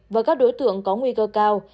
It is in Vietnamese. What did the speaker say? và các đối tượng có nguy cơ cao